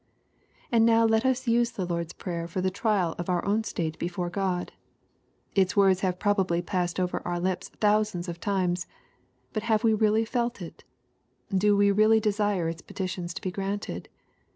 And now let us use the Lord's Prayer for the trial of our own state before God. Its words have probably passed over our lips thousands of times. But have we really felt it ?— Do we really desire its petitions to be granted?